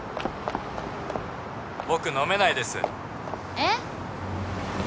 僕飲めないですえっ？